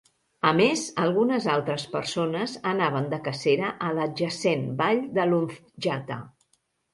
A més, algunes altres persones anaven de cacera a l'adjacent vall de Lunzjata.